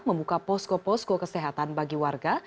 membuka posko posko kesehatan bagi warga